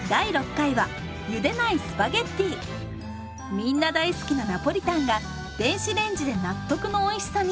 みんな大好きな「ナポリタン」が電子レンジで納得のおいしさに！